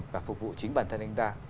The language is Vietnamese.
và phục vụ chính bản thân anh ta